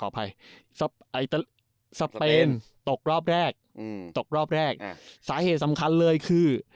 ปี๑๙๙๘สเปนตกรอบแรกสาเหตุสำคัญเลยคือ